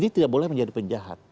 dia tidak boleh menjadi penjahat